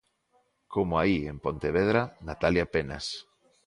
Como aí en Pontevedra Natalia Penas.